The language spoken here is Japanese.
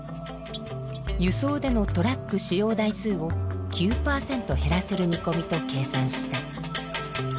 輸送でのトラック使用台数を９％減らせるみこみと計算した。